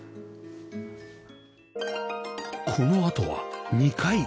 このあとは２階